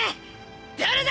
誰だ！？